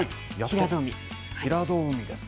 平戸海ですか。